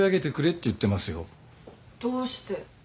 どうして？